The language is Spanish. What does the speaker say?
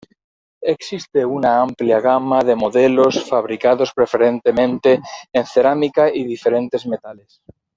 Existe una amplia gama de modelos, fabricados preferentemente en cerámica y diferentes metales.